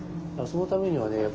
そのためにはね